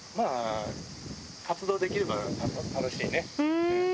活動できれば楽しいね。